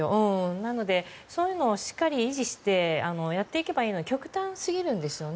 なので、そういうのをしっかり維持してやっていけばいいのに極端すぎるんですよね。